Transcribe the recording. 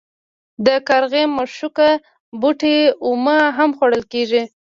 د کارغي مښوکه بوټی اومه هم خوړل کیږي.